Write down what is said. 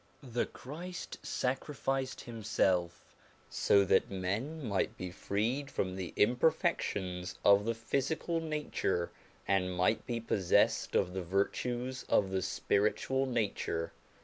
The Christ sacrificed himself so that men might be freed from the imperfections of the physical nature, and might become possessed of the virtues of the spiritual nature.